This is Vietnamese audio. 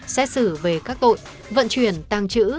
xét xử về các tội vận chuyển tàng trữ